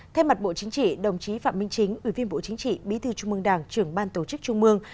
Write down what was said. thay mặt bộ chính trị đồng chí phạm minh chính ủy viên bộ chính trị bí thư trung mương đảng trưởng ban tổ chức trung mương